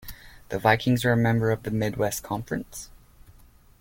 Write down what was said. The Vikings are a member of the Midwest Conference.